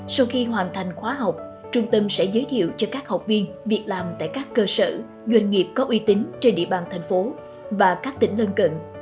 sau khi hoàn thành khóa học trung tâm sẽ giới thiệu cho các học viên việc làm tại các cơ sở doanh nghiệp có uy tín trên địa bàn thành phố và các tỉnh lân cận